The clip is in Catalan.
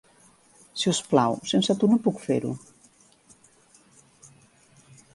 Si us plau, sense tu no puc fer-ho.